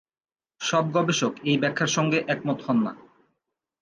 সব গবেষক এই ব্যাখ্যার সঙ্গে একমত হন না।